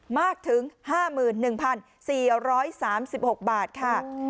มากถึงห้าหมื่นหนึ่งพันสี่ร้อยสามสิบหกบาทค่ะ